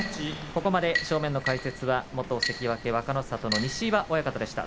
ここまで解説は元関脇若の里の西岩親方でした。